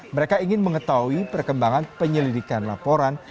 mereka ingin mengetahui perkembangan penyelidikan laporan